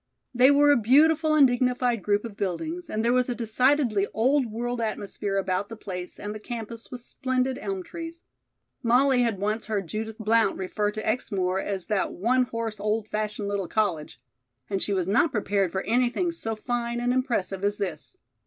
They were a beautiful and dignified group of buildings, and there was a decidedly old world atmosphere about the place and the campus with splendid elm trees. Molly had once heard Judith Blount refer to Exmoor as that "one horse, old fashioned little college," and she was not prepared for anything so fine and impressive as this.